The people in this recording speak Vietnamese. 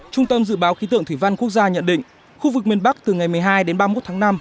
trung tâm dự báo khí tượng thủy văn quốc gia nhận định khu vực miền bắc từ ngày một mươi hai đến ba mươi một tháng năm